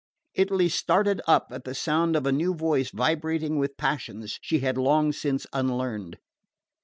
Italy started up at the sound of a new voice vibrating with passions she had long since unlearned.